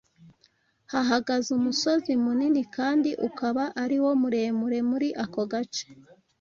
hahagaze umusozi munini kandi ukaba ariwo muremure muri ako gace